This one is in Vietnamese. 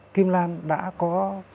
kim lan đã có